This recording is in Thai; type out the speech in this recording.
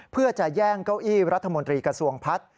เพื่อจะแย่งเก้าอี้รัฐมนตรีกระทรวงพัฒน์